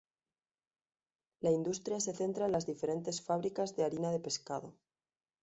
La industria se centra en las diferentes fábricas de harina de pescado.